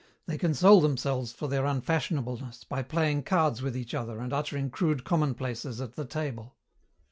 They console themselves for their unfashionableness by playing cards with each other and uttering crude commonplaces at the table."